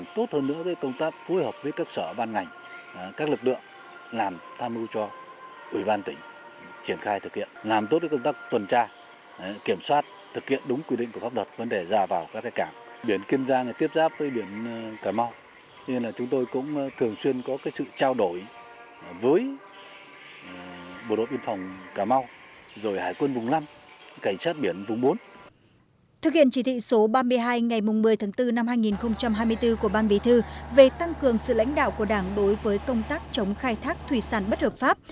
thực hiện chỉ thị số ba mươi hai ngày một mươi tháng bốn năm hai nghìn hai mươi bốn của bang bí thư về tăng cường sự lãnh đạo của đảng đối với công tác chống khai thác thủy sản bất hợp pháp